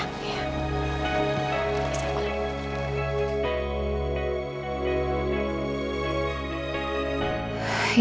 sampai jumpa lagi